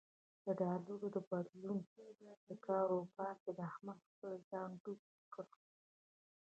د ډالر د بدلون په کاروبار کې احمد خپل ځان ډوب یې کړ.